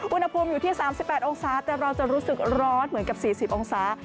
อุณหภูมิอยู่ที่๓๘องศาแต่เราจะรู้สึกร้อนเหมือนกับ๔๐องศา